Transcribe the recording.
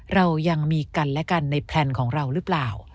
เรายังมีกันและกันในแพลนของเราหรือเปล่า